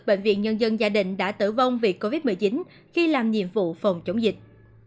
bệnh viện nhân dân gia đình đã tử vong vì covid một mươi chín khi làm nhiệm vụ phòng chống dịch